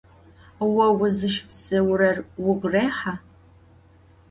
Vo vuzışıpseurer vugu rêha?